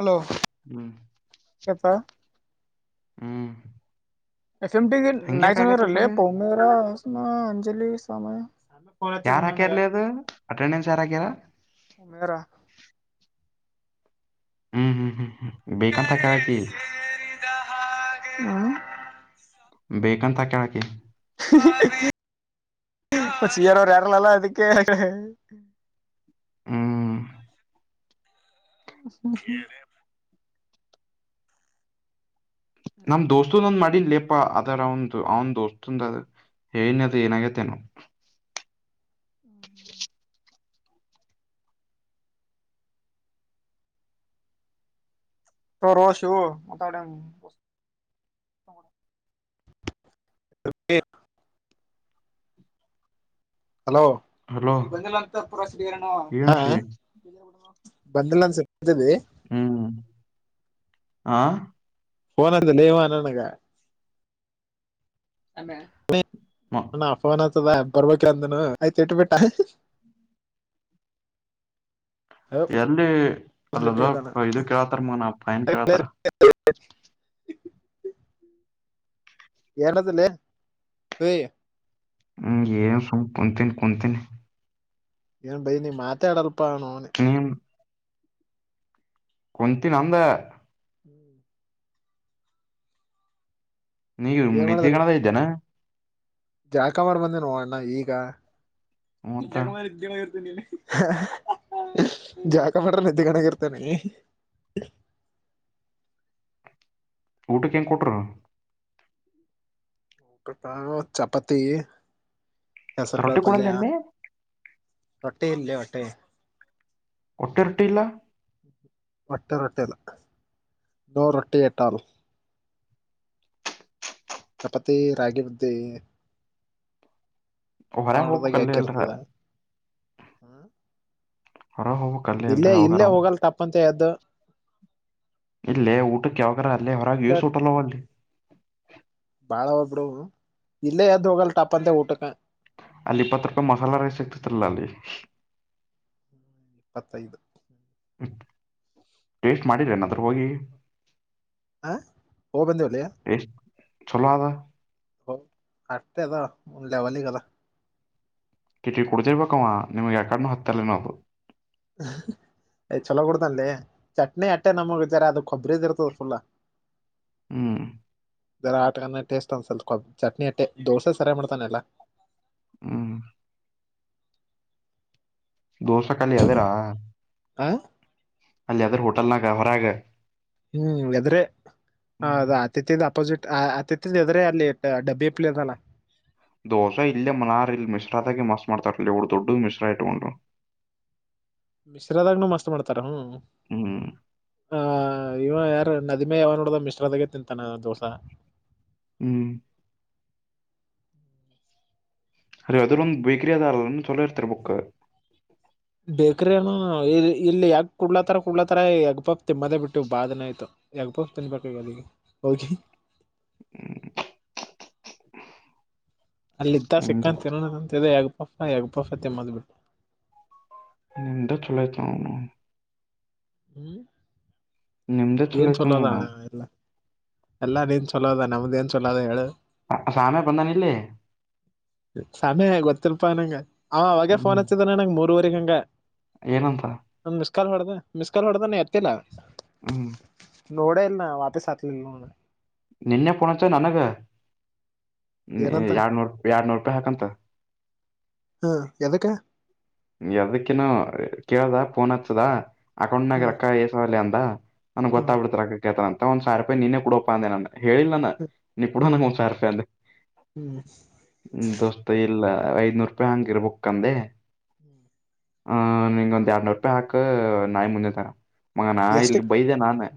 Hello ಹ್ಮ್ ಕೇಳ್ತಾ ಹ್ಮ್ ಎಫ್ ಎಂ್ ಹಂಗ್ಯಾಕ್ ಆಗತ್ತದ ನಾಯಚನರಲ್ಲಿ ಅದ ಪೌಮವ ಹಸಮ ಅಂಜಲಿ ಸಯ ನ ಯಾರ್ ಪಳಗೆ ಹಾಕ್ಯಾರ್ಲಿ ಅದು ಅಟೆಂಡೆನ್ಸ್ ಯಾರ್ ಹಾಕ್ಯಾರ ಉಮೇರಾ ಹ್ಮ್ ಹ್ಮ್ ಹ್ಮ್ ಹ್ಮ ಬೇಕಥಾೆ ಆಕಿ ಹ್ಮ ಬೇ ಕಂತ ಕೆಳಕ್ಕೆಿ ಸೀರ ಇರಲಲ್ಲಾ ಅದಕ್ಕೆ ಹ್ಮ್ ್ಮ ನಮ್ ದೋಸ್ತು ನಂದ್ ಮಾಡಿ ಲೇಪಾ ಅದಾರ ಅವಂದು ಅವನ್ ದೋಸ್ತಂದ ಏನ ಅದು ಏನಾಗೈತೆ ನಾ ತ ರೋ ಶ ತ [unintelligible] ಹಲೋ ಹಲೋ ಈ ಬಂದಿಲ್ಲ ಅಂತ ಪೂರೇನು ಏನ್ರಿ ಬಂದಿಲ್ಲ ಅಂದಸರಿ ಅದೇ ಆಾ ನಂತ ಲೇ [unintelligible] ಮ ನ್ಣ ಅಫೋನ್ ಆತದ ಬರ್ಬೇಕಂದನು ಆಯ್ತ ಇಟ್ಬಿಟ್ಟ ಎಲ್ಲಿ ಅಲ್ಲಲ್ಲ ಇದು ಕೇಳ್ತಾರ ಮಗನ ಪೈನ್ ಕೇಳ್ತಾರ [unintelligible] ಏನದಲ್ಲ ಹ ಹ್ಮ್ ಏ ಕುಂತೀನ್ ಕುಂತೀನಿ ಏನ್ ಬೈ ನೀ ಮಾತಾಡಲ್ಪ ನೋ ಅವ ಕೊಂತಿ ನಂದ ಹ್ಮ್ [unintelligible] ನೀವು ನಿದ್ದೆಗಣ್ಣ ಇದ್ದೇಾನ ಜಾಕಮಾರಿ ಬಂದೇ ನ ಅಣ್ಣ ಈಗ ಮತ್ತ [unintelligible] ಜಾಕ ಮಾಡ್ರ ನಿದ್ದೆಗಣಗರ್ತೇನೆ ಊಟಕ್ಕೆ ಹೆಂಗ ಕೊಟ್ರ ಹ ಚಪಾತಿ ರೊಟ್ಟಿ ಕೂಡಲ್ಲ ನಿಿ ಹೊಟ್ಟೆ ಇಲ್ಲ ಹೊಟ್ಟೆ ಒಟ್ಟೆ ಇರಟ್ಟಿಿಲ್ಲ ಮಟ್ಟೆ ರೊಟ್ಟಿಲ್ಲ ನೋ ರೊಟ್ಟಿ ಟ್ಟಲ್ಲ ಚಪಾತಿ ರಾಗಿ ಬ್ದೆ ಹೊರಗೆ ಕನ್ಡ್ದಾಗ ಹೋಗ್ಬೇಕ್ ಅಲ್ಲೇ ಅಲ್ರ ಯಾಕೆರ್ತದ ಹ್ಮ ಹೊರಗೆ ಹೋಗ್ಬೇಕ್ ಅಲ್ಲೇ ಅಲ್ರಿ ಇಲ್ಲೇ ಯಾವಾಗಾರ ಇಲ್ಲೇ ಹೋಗಲ್ ಟಪ್ಪಂತ ಎದ್ದು ಇಲ್ಲೇ ಊಟಕ್ಕೆ ಯಾವಾಗಾರ ಅಲ್ಲೇ ಹೊರಗೆ ಇಲ್ಲ ಯೂ ಸ ಊಟಲ್ಲವ ಅಲ್ಲಿ ಬಾಳ ಒಬ್ಬಡು ಇಲ್ಲೇ ಯದ್ದು ಹೋಗಲ್ ಟಪ್ಪ ಅಂದೆ ಊಟಕ್ಕ ಅಲ್ಲಿ ಇಪ್ಪತ್ತು ರೂಪಾಯಿ ಮಸಾಲಾ ರೈಸ್ ಸಿಗ್ತಿತಿಲ್ಲ ಅಲ್ಲಿ ಇಪ್ಪತ್ತೈದು ಟೇಸ್ಟ್ ಮಾಡಿದ್ರನ್ನತ್ರರ ಹೋಗಿ ಹಾ ಹೋಗಬಂದಿವವಲ್ಲಯ ಚಲಾದ ಹ ಹತದ ಆದ ಲೇವಲ್ಲಿ ಕದ ಕಿಟಿ ಕುಡತಿಿರ್ಬೇಕಮ್ಮ ನಿಮ್ಗೆ ಯಕಡ ಹತ್ತರನೋ ಅದು ಹಾ [unintelligible] ಯ್ ಚಲೋ ಕುಡ್ದಲ್ಲಿ ಚಟ್ನಿ ಅಟ್ಟೆ ನಮಗ್ಾರೆ ಅದು ಕೊಬ್ಬ್ರದ್ ಇರ್ತದ ಫುಲ್ ಹ್ಮ್ ಜರ ಆಟಕ ಟೇಸ್ಟ್ ಅಂದಸಲ್ ಚಟ್ನಿ ಅಟ್ಟೆ ದೋಸೆ ಸರಿಯ ಮಾಡ್ತಾನೆಲ್ಲಾ ಹ್ಮ ದೋಸೆ ಕಾಲಿ ಅದರಾ ಆ ಅಲ್ಲಿ ಯಾದ್ರ ಹೋಟೆಲ್ನಾಗ ಹೊರಾಗ ಹ್ಮ್ ಯದ್ರೆ ಹ ಅದು ಆತಿಥ್ಯದ ಅಪೋಸಿಟ್. ಆ ಆತಿಥ್ಯದೆದ್ರೆ ಅಲ್ಲಿ ಡಬ್ಬಿ ಹಪ್ಲಿ ಅದಲ್ಲ ದೋಸಾ ಇಲ್ಲೇ ಮನಾರ್ ಇಲ್ ಮಿಶ್ರಾದಾಗೆ ಮಸ್ತ ಮಾಡ್ತಾರ ದೊಡ್ಡ ಮಿಶ್ರ ಇಟ್ಕೊಂಡಾರ ಮಿಶ್ರಾದಾಗ್ನೂ ಮಸ್ತ್ ಮಾಡ್ತಾರ ಹ್ಮ ಹ್ಮ್ ಹ ಇವ ಯಾರು ನದಿಮ್ಯಾ ಯಾವಾಗ್ ನೋಡ್ದ್ರೂ ಮಿಶ್ರಾದಾಗೆ ತಿಂತಾನ ದೋಸಾ ಹ್ಮ್ ಅ ಅದಲ್ಲಂದು ಬೇಕ್ರಿಯಾದಾರಲ್ಲ ಚುಲೋರ್ತಾರೆ ಬುಕ್ಕ ಬೇಕ್ರೇನು ಇ ಇಲ್ಲಿ ಯಗ್ ಕುಡ್ಲತಾರ ಕುಡ್ಲತ್ತಾರ ಯಗ್ ಪಪ್ ತಿಮ್ಮದೇ ಬಿಟ್ಟಿವ್ ಬಾಳ ದಿನ ಆಯ್ತು ಎಗ್ ಪಪ್ ತಿನ್ಬೇಕಾಗೇದ [unintelligible] ಹ್ಮ್ ಅಲ್ಲಿದ್ದಾಗ ನಿಮ್ದ ಸಿಕ್ಕಂತ ತಿನ್ನೋಣ ಅಂತಿದ್ದಿ ಎಗ್ ಪಪ್ ನ ಎಗ್ ಪಪ್ ತಿನ್ನುವುದು ಬಿಟ್ಟಿ ನಿಮ್ದಾ ಚುಲೋ ಅಯ್ತನೌನ ಹ್ಮ್ ನಿಮ್ದೇ ಚಲೋ ಏನ್ ಐತ್ ಚೊಲೋ ನೋಡ್ ಅವ್ನು. ಅದಾಣಾ ಎಲ್ಲಾ ಎಲ್ಲಾ ನಿಂದ್ ಚುಲೋ ಅದ ನಮ್ದ ಏನ್ ಚೊಲೋ ದ ಹೇಳು ಸಾಮ್ಯ ಬಂದಾನ ಇಲ್ಲೇ ಸಾಮ್ಯ ಗೊತ್ತಿಲ್ಪಾ ನಂಗ ಅವ ಅವಾಗೆ ಫೋನ್ ಹ್ಮ್ ಹಚ್ಚಿದಾನ ನಂಗ ಮೂರವರೆ ಹಂ ಏನಂತ ಮಿಸ್ ಕಾಲ್ ಹೊಡ್ದ ಮಿಸ್ಕಾಲ್ ಹೊಡ್ದಾ ನಾ ಎತ್ತಿಲ್ಲ ಹ್ಮ್ ನೋಡೇಲ್ನ ವಾ [unintelligible] ನಿನ್ನೆ ಫೋನ್ ಹಚ್ಚಾನ ನನಗೆ ಹ್ಮ್ ಏನಂತ ಎರಡ್ನೂರು ಎರಡ್ನೂರೂಪಾಯಿ ಹಾಕಂತ ಹ್ಮ ಎದಕ್ಕ ಎದಕ್ಕೇನೋ ಕೇಳದಾ ಪೋನಚ್ಚದಾ ಅಕೌಂಟ್ನಾಗ ಹಾ ರಕ್ಕಾ ಏಸದಾವಲೇ ಅಂದ ನನ್ಗ ಹಾ ಗೊತ್ತಾಬಿಡ್ತ ರೊಕ್ಕ ಕೇಳ್ದನಂತ ಒಂದ ಸಾವಿರ ರೂಪಾಯಿ ನೀನೇ ಕೊಡು ಅಂತ ಅಂದೆ ನಾನು. ಹೇಳಿಲ್ನಾನ ನೀ ಕೊಡ ಹಾ ನಂಗ ಒಂದ್ ಸಾವಿರ ರೂಪಾಯಿ ಅಂದೆ ಹ್ಮ್ ದೋಸ್ತ ಇಲ್ಲ ಐದ್ನೂರು ರೂಪಾಯಿ ಹಂಗಿರ ಬಕ್ಕ ಅಂದೆ ಹ್ಮ್ ಹ ನಿಂಗ ಒಂದ್ ಎರಡ್ನೂರ್ ರೂಪಾಯಿ ಹಾಕ್ ನಾಯಿ ಮುಂದೆ ತರ ಮಗ ನಾ ಇಲ್ಲಿ ಎಷ್ಟಕ್ ಬೈ್ದೆ ನಾನ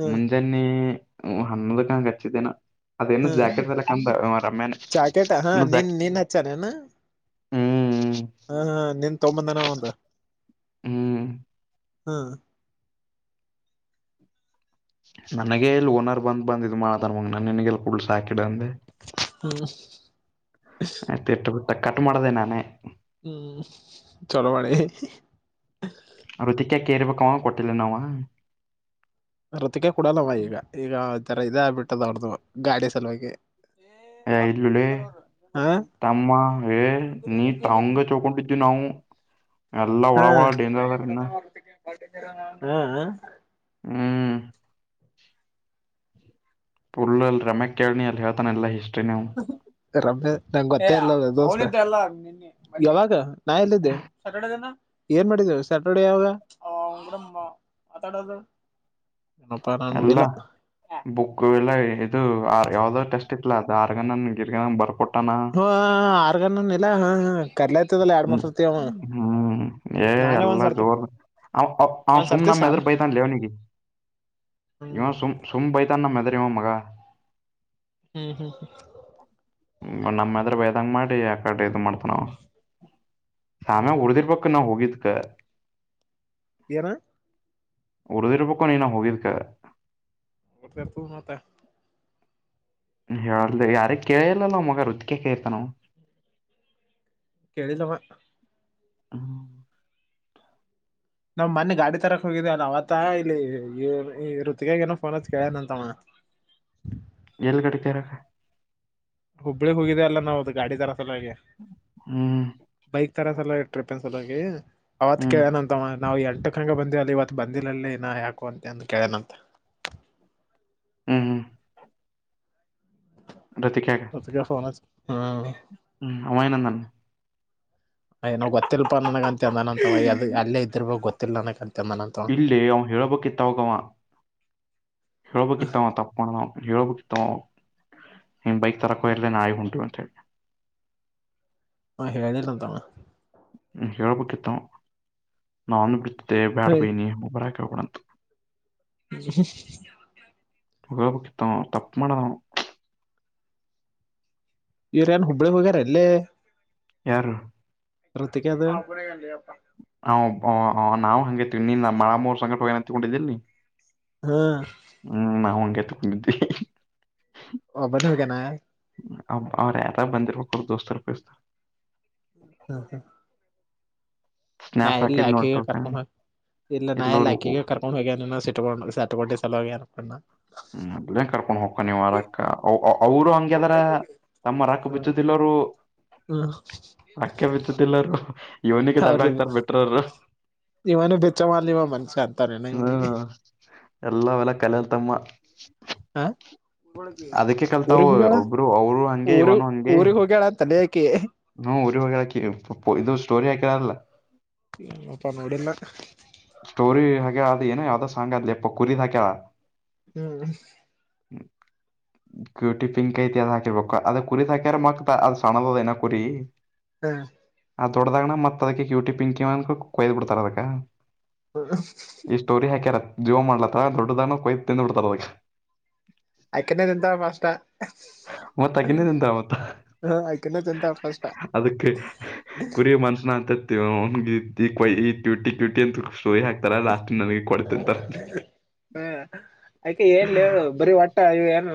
ಹಾ ಮುಂಜಾನೆ ಹನ್ನೊಂದಕ್ಕನ ಹಚ್ಚಿದ್ದೆನಾ ಅದೇನು ಹಾ ಜಾಕೆಟ್ ತರಾಕಂದ ಇವ ರಮ್ಯಾನ ಜಾಕೆಟ್ ಹಾ ನಿನ್ ನಿನ್ ಹಚ್ಚಾನೇನ ಹ್ಮ್ ಹಾ ಹಾ ನಿನ್ ತೊಂಬಂದಾನವ ಒಂದ ಹ್ಮ್ ಹಾ ನನಗ ಇಲ್ಲಿ ಓನರ್ ಬಂದ್ ಬಂದ್ ಇದು ಮಾಡತಾರ ನೋಡ್ ನಿನಗೆಲ್ ಕೊಡೂದ್ ಸಾಕಿಡ ಅಂದೆ ಹ್ಮ ಅಷ್ಟೇ [unintelligible] ಕಟ್ ಮಾಡ್ದೇ ನಾನೇ ಹ್ಮ್ ಚೊಲೋ ಮಾಡಿ ಕೇರ್ಬೇಕ ಅವ ಕೊಟ್ಟಿಲ್ಲೇನವ ರತಿಕ್ಯಾ ಕೊಡಲ್ಲವ ಈಗ ಈಗ ತರ ಇದಾಗ್ಬಿಟ್ಟದ ಅವ್ರ್ದು ಗಾಡಿ ಸಲುವಾಗಿ. ಏ ಇಲ್ಲಲೇ ಹಾ ತಮ್ಮ ಏ ನೀ ತಂಗ ತಿಕೊಂಡಿದ್ದು ನಾವು ಎಲ್ಲಾ ಒಳ ಹಾ ಒಳ ಡೇಂಜರ್ ಅದಾರ ಇನ್ನ ಹಾ ಹ್ಮ್ ಪುಲ್ಲು ಅಲ್ಲಿ ರಮ್ಯಾಕ್ ಕೇಳನಿ ಅಲ್ಲಿ ಹೇಳ್ತಾನ ಎಲ್ಲಾ ಹಿಸ್ಟ್ರಿನವ ರಮ್ಯಾ ನಂಗೊತ್ತ ಇಲ್ಲ ದೋಸ್ತ ಯಾವಾಗ ನಾ ಎಲ್ಲಿದ್ದೆ ಸಾಟರ್ಡೆ ದಿನ ಏನ್ ಮಾಡಿದ್ದ ಸ್ಯಾಟರ್ಡ ಯಾವಾಗ ಮಾತಾಡದು ಎಲ್ಲ ಬುಕ್ ಎಲ್ಲ ಇದು ಆ ಯಾವ್ದೋ ಟೆಸ್ಟ್ ಇಲ ಅದು ಆ ಗಿಗ ಬರ ಕೊಟ್ಟ ಹಾ ಆರ್ಗನನ್ ಇಲ್ಲ ಹ ಹ ಕರ್ಲತದಲ್ಲ ಎರಡ್ ಹ್ಮ್ ಮೂರ್ ಸತಿ ಅವ ಹ್ಮ್ ಏ ನಾನೇ ಎಲ್ಲ ಒಂದ್ ಸರ್ತಿ ಜೋರ್ ಅವ ಅವ್ ಒಂದ್ ಸುಮ್ ಸರ್ತಿ ನಮ್ಮ ಎದ್ರ ಸಾಮಿ ಬೈತನ್ ಲೇ ಅವನಿಗೆ ಇವನ್ ಹ್ಮ್ ಸು ಸುಮ್ ಬೈತಾನ್ನ ಮೆದ ಮಗ ಹ್ಮ್ ಹ್ಮ್ ನಮ್ಮ ಮದರ್ ಬಯದಂಗ ಮಾಡ ಯಾಕಾರಿ ಇದು ಮಾಡ್ತ ನ ಸಾಮ್ಯ ಹ್ಮ್ ಉಡ್ದಿರ್ಬೇಕ ಮುೋಗಿದಕ [inaudible] ಏನು ಉರ್ಧೀರ್ ಬೇಕ್ಕ ನೀನಾ ಹೋಗರ್ಕ ಅವದ ತು ಮಾತ್ತ [inaudible] ಹೇಳ್ದ ಯಾರ ಕೇಳಲಲ್ಲ ಮಗ ರುತಿಕ ಕೇಳಿರ್ತಾನೆ ಅನ ಕೇಳಿದಮ್ಮ ಹ್ಮ ನಮ್ ಮೊನ್ನೆ ಗಾಡಿ ತರಕ್ ಹೋಗಿದವಲ್ಲ ಅವತ್ತ ಇಲ್ಲಿ ಈ ಋತ್ತಗಾಗ ಏನೋ ಫೋನ್ ಹತ್ತ ಕೇಳ್ಯನಂತವ ಹ್ಮ [inaudible] ಎಲ್ಲಿ ಕಡತರಕ್ಕ ಹುಬ್ಬಳಿಗ್ ಹೋಗಿದೆ ಅಲ್ಲ ನಾವುದು ಗಾಡಿ ತರ ಸಲುವೆ ಹ್ಮ್ ಬೈಕ್ ತರ ಸಲ ಟ್ರಿಪ ಹೇಳಿನಿ ಅವತ್ ಹ್ಮ್ ಕೇಳನಂತ ಮಾಡ ನಾವು ಎಂಟು ಕನ ಬಂದ್ವಿ ಅಲ್ಲಿ ಇವತ್ತು ಬಂದಿಲ್ಲಲ್ಲಿ ಏನ ಯಾಕು ಅಂತೆ ಅಂದು ಕೇಳೇನಂತ ಹ್ಮ್ ಹ್ಮ್ ಅದಕೆ ಫೋನ ಹಚ್ ಹ್ಮ ಅವ ಏನ್ನಂದನ್ನ ಏನೋ ಗೊತ್ತಲ್ ನನಗ ಅಂತೆ ನನ ಅಲ್ಲ ಇದಿರ್ಬೇಕ ಗೊತ್ತಿಲ್ಲ ನನಗ ಅಂತೆ ಇಲ್ಲೇ ಅವ್ ಹೇಳಬೇಕಿತ್ತವಗವ ಹಳಬ ಕಿತ್ತ್ ತಪ್ಪಣ ಎಳಬ ಕಿತ್ತವು ನಿಮ್ ಬೈಕ್ ತರಕೋ ಇರ್ದೇನ ಆಯಿ ಉಂಟು ಅಂತ ಹೇಳಿ ಹಾ ಹೇಳಲಿಂತವ ಹ್ಮ ಹೇಳ್ಬೇಕಿತ್ತು ನಾ ಅಂದ ಬಿಡ್ತಿದ್ದೆ ಬ್ಯಾಡ ಬೈನಿ ಒಬರ [inaudible] [inaudible] ಹೇಳಬೇಕಿತ್ತುವ ತಪ್ಪು ಮಾಡದಾವ ಇವರು ಯನ್ ಹುಬ್ಬಳಿ ವಗರ ಅಲ್ಲೇ ಯಾರು ಅತ ಅದು [unintelligible] ಹ ನಾವು ಹಂಗೇತ್ವಿ ನಿನ್ ಮಳ ಮೂರ್ ಸಂಕಟವಾಗಿ ಏನ ತಗೊಂಡಿದ್ದಿಲ್ಲಿ ಹಾ [unintelligible] ಹ್ಮ್ ನಾ ಹಂಗಗೆ ತಗೊಂಡಿದವಿ ಒಬ್ಬನೇ ಹೋಗ್ಯಾನ ಅವ್ರ ಯಾರ ಬಂದಿರ್ಬೇಕ ದೋಸ್ತರುಪಸ್ತ ಹ ಹ ನಾ ಸ್ನ್ಯಾಪ್ ಎಲ್ಲ ಹಾಕಿದ್ ಆಕ ಕ ನೋಡ್ತ [inaudible] ಇಲ್ಲ ನಾಲ್ಲ ಎಲ್ಲರು ಅಕ್ಕಿಗೆ ಕರ್ಕೊಂಡ್ ಹೋಗ್ಯ ಸಿಟ್ಕೊಂಡ್ ಸಟ್ಕೊಂಡಿ ಸಲ ಹೋಗಿ ಅನ್ಕೊಂಡ ಹ್ಮ ಅದನ್ ಕರ್ಕೊಂಡ್ ಹೋಗಕ ನೀ ವಾರಕ್ಕ ಅವರು ಹಂಗ್ಯದಾರ ತಮ್ಮ ರಕ್ಕ ಹ್ಮ ಬಿಚ್ಚುತ್ತಿಲ್ಲರು ಅಕ್ಕ ಬಿಚ್ಚುತ್ತಿಲ್ಲರು ಯವನಿಗೆ ಡಬ್ ಅವ್ರ ಆಗ್ತಾರ ಬಿಟ್ರರು ಇವನು ಬೆಚ್ಚವ ಅಲ್ಲ ಇವ ಮನುಷ್ಯ ಅಂತಾನೇನ ಇವ್ನಿಗೆ ಹ್ಮ್ ಎಲ್ಲ ವಲ್ಲ ಕಲಯಲ್ಲಿ ಲ್ತಮ್ಮ ಹಾ ಊಳ ಅದಕ್ಕೆ ಕಲ್ತಾವ ಊರಿಗೆ ಹೋಗಳ ಒಬ್ರು ಅವರು ಹಂಗೆ ಊರು ಊರಿಗೆ ಹೋಗಳ ಅಂತೇ ಲೀ ಹಾಕಿ ಹ್ಮ ಊರಿಗೆ ಹೋಗ್ಯಾಳ ಹಾಕಿ ಇದು ಸ್ಟೋರಿ ಹಾಕಿರಲ್ಲ ಹ ಅಪ ನೋಡಿಲ್ಲ ಸ್ಟೋರಿ ಹಾಗ್ಯ ಅ ಏನ ಯಾವ್ದ್ ಸಾಂಗ ಅ್ಪ್ಪ ಕುರಿದ್ ಹಾಕ್ಯಲ್ಲ ಹ್ಮ್ ಗ್ಯೂಟಿ ಪಿಂಕ್ ಐತಿ ಅದ್ ಹಾಕಿರ್ಬೇಕು ಅದ ಕುರಿ್ ಹಾಕ್ಯಾರ ಮಕ್ತ ಅದು ಸಣದ ನ ಕುರಿ ಹ್ಮ ಅ ದೊಡದಾಗಣ್ಣ ಮತ್ ಅದಕ್ಕೆ ಯೂಟಿ ಪಿಂಕಿ ಅ ಕೊಯ್ದ್ ಬಿಡ್ಾರ ಅದಕ್ಕ ಈ ಸ್ಟೋರಿ ಹಾಕ್ಯಾರ ಜೀವೋ ಮಾಡ್ಲತ್ತ ದೊಡ್ಡದಾನ ಕೊಯ್ದ ತಿಂದ್ ಬಿಡ್ತಾರ ಅದಕ್ಕೆ ಆಯ್ಕನ ತಿಂತ್ಯಾಳ ಫಸ್ಟ ಮತ್, ಆಕೆನ ತಿಂತಾಳ ಮತ್ತ ಆಕೆನೇ ತಿಂತಾಳ ಫಾಸ್ಟ ಅದಕ್ಕೆ ಕುರಿ ಮನ್ಷಸನ ಅಂತ ಕ್ಯೂಟಿ ಕ್ಯೂಟಿ ಅಂತ ಕೊಯ್ದು ಹಾಕ್ತಳಲ್ಲ ನನಗೆ ಕೂಡ ತಿಂತಾರ ಆಯ್ಕ ಏನ್ ಬರಿೀ ಒಟ್ಟ ಇವು ಏನು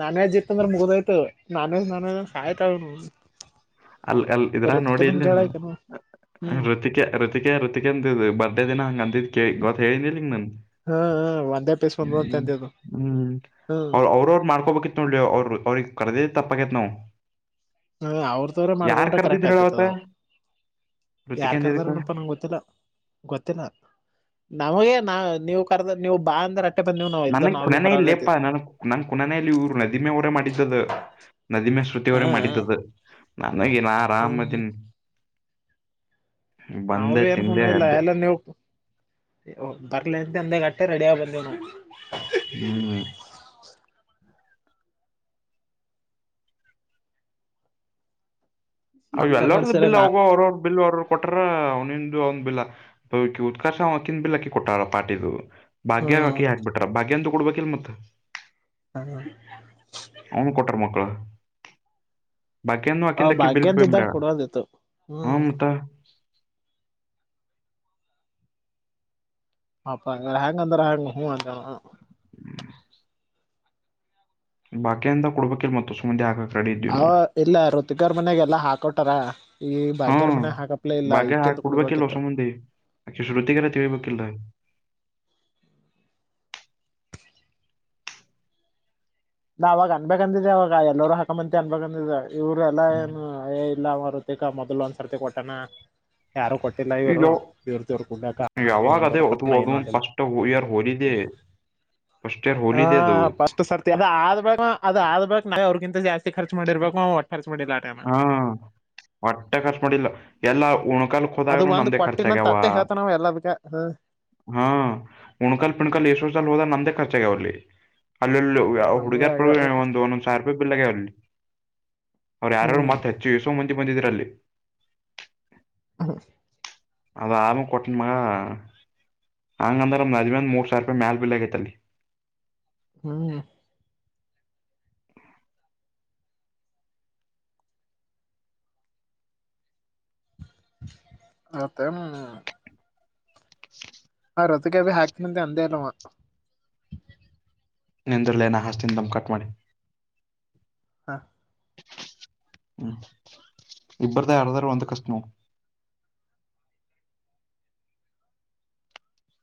ನಾನ್ ವೇಜ್ ಇತ್ತ ಅಂದ್ರೆ ಮುಗ್ದಾಯ್ತ ನಾನ್ ವಜ್ ನಾನ್ ವೆಜ್ ಅಂತ ಸಾಯ್ತಾಳ ಅಲ್ ಅಲ್ ಇದ್ರಾಗ ನೋಡಿ ರೊಟ್ಟಿನ ಇಲ್ಲಿನ್ ಕೇಳ ನೀನಾ ಆಕೆನು ಹ್ಮ್ ೃತಿಕೆ ೃತಿಕೆ ೃತಿಕ ಅಂತಿದ್ು ಬರ್ಡೇ ದಿನ ಹಂಗ ಅಂತಿದ್ದ್ ಕೇಳ ಗೊತ್ತ ಹೇಳಿದ್ದಿಂಗ ನನ್ ಹಾ ಒ ಹ್ಮ್ ಹ್ಮ್ ಹ್ಮ್ ಹ್ಮ್ ಅವ ಅವ್ರ ಅವ್ರು ಮಾಡ್ಕೊಬೇಕಿತ್ತು ನೋಡಲಿ ಅವ್ರರು ಅವ್ರಿಗೆ ಕರ್ದಿ ತಪ್ಪ ಕೆತ್ನವು ನ ಅವ್ರದವ್ರ ಮಾಡ್ಕೊಂಡ್ರೆ ಕರ್ದಿದ್ ಕರೆಕ್ಟ್ ಆಗ್ತತದ ಹೇಳವತ್ತ ಯಾರ್ ಋತಿಕೆಂದ ಕರ್ದಾರ ಇದಕ್ಕ ಏನಪ್ಪಾ ನಂಗೆ ಗೊತ್ತಿಲ್ಲ ಗೊತ್ತಿಲ್ಲ ನಮಗೆ ನಾ ನೀವು ಕರ್ದ ನೀವು ಬಾ ಅಂದ್ರ ಅಟ್ಟೆ ಬಂದಿವ್ ನಾವ್ ಇಲ್ಲ ನನಗ್ ನಾವೇ ಕುಣನ ಇಲ್ಲೇಪ್ಪಾ ಬರೋರೈತಿವಿ ನನ್ ನನ್ ಕುಣನೆಯಲ್ಲಿ ಇವರು ನದಿಮೆ ಡೆ ಮಾಡಿದ್ದದ ನದಿಮೆ ಶ್ರುತವರೇ ಹಾ ಮಾಡತದ ನನಗ ನ ಹ್ಮ್ ಆರಾಮ್ದನ್ ನಾವು ಕುಣಿನೇ ಇಲ್ಲ ಎದ್ದೆ ಎಲ್ಲ ನಿವ್ತು ಬರ್ಲಿ ಅಂತ ಅಂದ ಮತ್ತೆ ರೆಡಿ ಆಗ ಬಂದೇ ನಾವು ಹ್ಮ್ ಹ್ಮ ಅವ ಮತ್ತ ಎಲ್ಲರದ ನಡ್ಸರ ಬಿಲ್ ನಾ ಅವ ಅವರವ ಬಿಲ್ ಅವರವರು ಕೊಟ್ರ ಅವ್ನಿಿಂದ ಅವಂದ್ ಬಿಲ್ಲ ಬ ಉತ್ಕರ್ಷ ಅವಕಿ ಬಿಿಲ್ಲಾಕ್ಕಿ ಕೊಟ್ಟಾರ ಪಾಟಿದು ಭಾಗ್ಯ ಹ್ಮ್ ಹಾಕಿ ಹಾಕ್ಬ ಬಿಟ್ರ ಭಾಗ್ಯಂತೂ ಕೊಡ್ಬೇಕಲ್ ಮತ್ತ ಹ್ಮ ಬಕಿಯನ್ನು ಅವ ಅಕ್ಕಂದಕ್ಕೆಿ ಬಿಲ್ ಪೇ ಭಾಗ್ಯಂತಿದ್ದಾಗ ಮಾಡ್ಯಾಳ ಕೊಡೋದಿತ್ತು ಹಾ ಹ್ಮ್ ಮತ್ತ ಆಾ ಹ್ಯಾಂಗ್ ಅಂದರ ಹ್ಯಾಂಗ್ ಹೂ ಹ ಬಾಕ ಅಂತ ಕೊಡ್ಬೇಕಿಲ್ ಮತ್ತ ಸುಮ್ಮದಿ ಆಗಬೇಕು ಅವ ಇಲ್ಲ ಋತಗರ ಮನೆಾಗಲ್ಲಾ ಹಾಕೊಟಾರ ಈ ಬಾಗ್ಯಾರ್ ಮನೆಾಗ ಹಾಕಪ್ಲ ಇಲ್ಲ ಈ ಕೊಡ್ಬೇಕಿಲ್ಲ ಹೊಸ ಮುಂದೆ ಆೆ ಶ್ರುತಿಗೆರ ತಿಳ್ಬೇಕಿಲ್ಲ ಹ [unintelligible] ನಾವ ಅವಾಗ ಅನ್ಬೇಕ ಅಂದಿದ್ದೆ ಅವವಾಗ ಎಲ್ಲರೂ ಹಕಂಬಂತಿ ಅನ್ಬಕ್ ಅಂದ ಇವ್ರ ಎಲ್ಲಾ ಏನು ಏ ಇಲ್ಲ ತೇಕ ಮೊದ್ಲು ಒಂದ್ಸರ್ತಿ ಕೊಟ್ಟಾನ ಯಾರು ಕೊಟ್ಟಿಲ್ಲ ಈಗ ಇವ್ರು ಯಾವ ದವ್ರ ದವ್ರ ಕುಡ್ಬೇಕ ಯಾವಾಗ ಅದೇ ಹಿಂಗಂದೂಪ ಅದು ಏನು ಅ ಅದೊಂದು ಫಸ್ಟ್ ಇಯರ್ ಹೋಲಿದೆ ಫಸ್ಟ್ ಇಯರ್ ಹಾ ಹೋಲಿದೆ ಅದು ಪಷ್ಟು ಸರ್ತಿ ಅದ ಆದ ಬಾಗ ಅದ ಆದ ಬಾಗ ನಾವವು ಅವ್ರಗಿಂತ ಜಾಸ್ತಿ ಖರ್ಚ ಮಾಡಿರ್ಬೇಕು ಒಟ್ಟರ್ ಹಾ ಹೊಟ್ಟೆ ಖರ್ಚು ಮಾಡಿಲ್ಲ ಎಲ್ಲ ಕಲ್ ೋದ ಅದು ಒಂದ್ ಕೊಟ್ಟಿನಂತ ನಮ್ಮದಖರ್ಚೆಗಾವ ಅತ್ತೆ ಹೇಳ್ತಾನಾವ ಎಲ್ಲದಕ್ಕ ಹ ಹಾ ಹುಣಕಲ್ ಪುಣಕಲ್ ಏಷ್ಟೋ ಸಾಲ ಹದ ನಂದ ಚ್ಚ ಅವಲ್ಲಿ ಅಲ್ಲಲ್ಲಿ ನಮಗ ಹುಡುಗ್ಯರ ಪ್ರ ಆಗ್ಯಾವ ಒಂದು ಒಂದೊಂದು ಸ ಬಿಲ್ಲಗೆ ಅವಲ್ಲಿ ಅವ್ರು ಯಾರು ಹ್ಮ್ ಮತ್ತ ಹೆಚ್ಚುಸ ಮುಂಚೆ ಬಂದಿದೀರಲ್ಲಿ ಹ ಅದ ಆರಾಮ ಕೊಟ್ಟಣಮ ಹಂಗಂದ್ರ ನಜ್ಮೇಂದ ಮೂರು ಸಾವಿ ರೂಪಾಯಿ ಮೇಲ್ ಬಿಲೆಗೈತಲ್ಲಿ ಹ್ಮ್ ಹತ್ತ ಹಾ ರೊತೆಗೆಬಿ ಹಾಕ್ತೀನಂತೆ ಅಂದೇ ಅಲ್ವಾ ನಿಂದಲನ ಹಸ್ತಿಿಂದಮ ಕಟ್ ಮಾಡಿ ಹಾ ಹ್ಮ್ ಇಬ್ಬ್ರ್ದ ಯಾರಾದ್ರೂ ಒಂದ ಕಷ್ಟನ ಹ